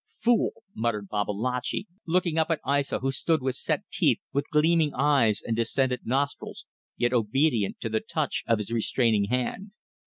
"Fool!" muttered Babalatchi, looking up at Aissa, who stood with set teeth, with gleaming eyes and distended nostrils, yet obedient to the touch of his restraining hand.